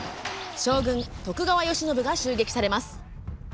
将軍・徳川慶喜が襲撃されます。